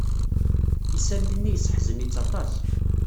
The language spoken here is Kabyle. Isali-nni yesseḥzen-itt aṭas.